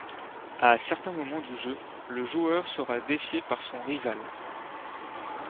À certains moments du jeu, le joueur sera défié par son rival.